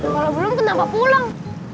kalau belum kenapa pulang